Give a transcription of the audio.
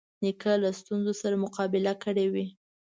نیکه له ستونزو سره مقابله کړې وي.